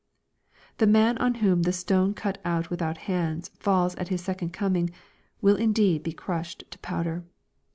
The man on whom the "stone cut out without hands" falls at His second coming, will indeed be crushed to powder.